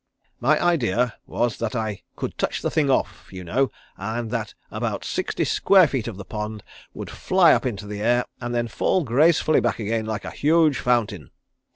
My idea was that I could touch the thing off, you know, and that about sixty square feet of the pond would fly up into the air and then fall gracefully back again like a huge fountain.